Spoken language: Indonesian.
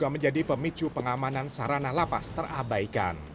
menjadi pemicu pengamanan sarana lapas terabaikan